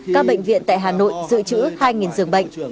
các bệnh viện tại hà nội dự trữ hai giường bệnh